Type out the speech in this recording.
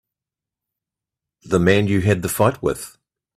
The man you had the fight with.